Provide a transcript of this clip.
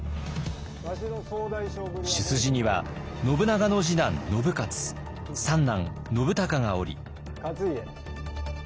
主筋には信長の次男信雄三男信孝がおり。